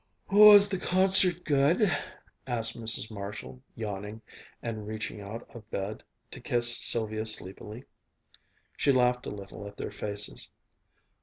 "Was the concert good?" asked Mrs. Marshall, yawning, and reaching out of bed to kiss Sylvia sleepily. She laughed a little at their faces.